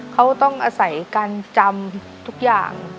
เขาต้องอาศัยการจำทุกอย่าง